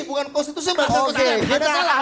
bukan konstitusi bangsa bangsa